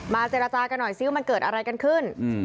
เจรจากันหน่อยซิว่ามันเกิดอะไรกันขึ้น